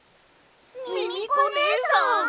ミミコねえさん！？